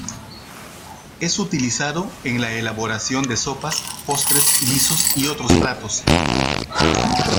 Es utilizado en la elaboración de sopas, postres, guisos y otros platos.